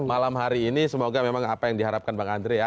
malam hari ini semoga memang apa yang diharapkan bang andre ya